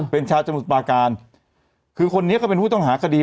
เป็นชาวสมุทรปาการคือคนนี้ก็เป็นผู้ต้องหาคดี